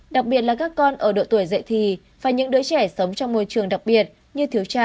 đặc biệt là các con ở độ tuổi dậy thì và những đứa trẻ sống trong môi trường đặc biệt như thiếu cha